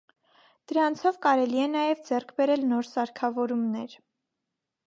Դրանցով կարելի է նաև ձեռք բերել նոր սարքավորումներ։